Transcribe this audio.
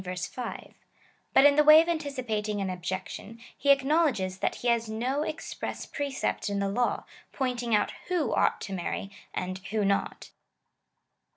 5 ; but in the way of anticipating an objection, he acknowledges that he has no express pre cept in the law, pointing out who ought to marry, and who not.